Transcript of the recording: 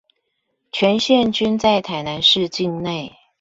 全線均在台南市境內